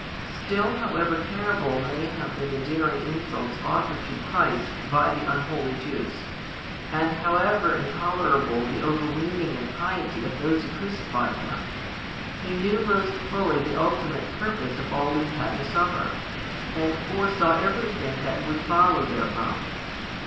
Still, however terrible may have been the daring insults offered to Christ by the unholy Jews, and however intolerable the overweening impiety of those who crucified Him, He knew most fully the ultimate purpose of all He had to suffer, and foresaw everything that would follow therefrom.